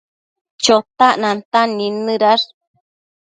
Chotac nantan nidnëdash